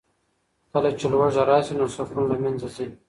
کله چې لوږه راشي نو سکون له منځه ځي.